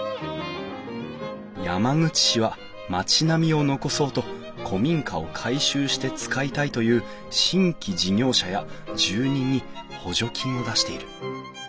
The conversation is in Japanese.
山口市は町並みを残そうと古民家を改修して使いたいという新規事業者や住人に補助金を出している。